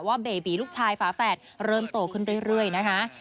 เบบีลูกชายฝาแฝดเริ่มโตขึ้นเรื่อยนะคะ